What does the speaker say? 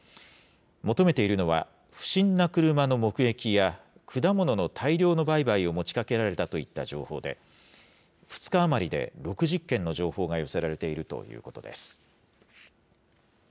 求めているのは不審な車の目撃や、果物の大量の売買を持ちかけられたといった情報で、２日余りで６０件の情報が寄せられているということです。